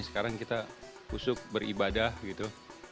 sekarang kita husuk beribadah gitu